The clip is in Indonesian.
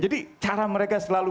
jadi cara mereka selalu